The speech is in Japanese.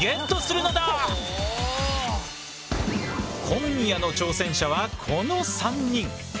今夜の挑戦者はこの３人！